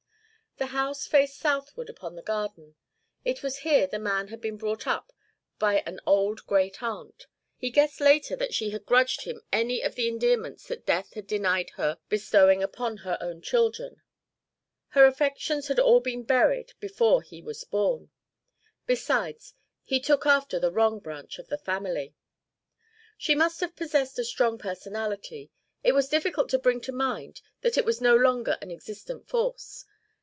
The house faced southward upon the garden. It was here the man had been brought up by an old great aunt. He guessed later that she had grudged him any of the endearments that death had denied her bestowing upon her own children. Her affections had all been buried before he was born. Besides, he took after the wrong branch of the family. She must have possessed a strong personality. It was difficult to bring to mind that it was no longer an existent force.